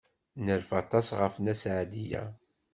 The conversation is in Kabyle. Nerfa aṭas ɣef Nna Seɛdiya.